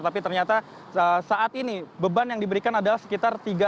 tapi ternyata saat ini beban yang diberikan adalah sekitar tiga